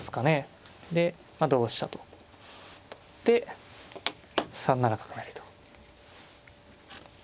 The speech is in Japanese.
でまあ同飛車と取って３七角成と。